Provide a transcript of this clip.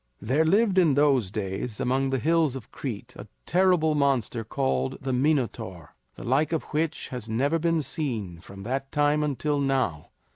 There lived in those days among the hills of Crete a terrible monster called the Minotaur, the like of which has never been seen from that time until now.